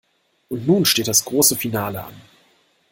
Und nun steht das große Finale an.